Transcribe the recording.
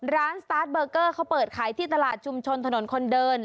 สตาร์ทเบอร์เกอร์เขาเปิดขายที่ตลาดชุมชนถนนคนเดิน